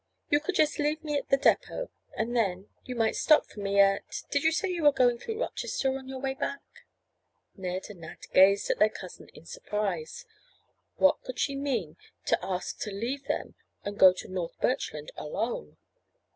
You could just leave me at the depot and then—you might stop for me at—did you say you were going through Rochester on your way back?" Ned and Nat gazed at their cousin in surprise. What could she mean to ask to leave them and go to North Birchland alone?